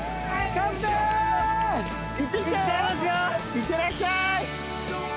いってらっしゃい。